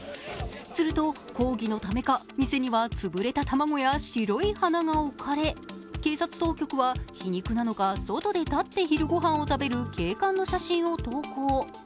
すると、抗議のためか店には潰れた卵や白い花が置かれ警察当局は皮肉なのか、外で立って昼ご飯を食べる警官の写真を投稿。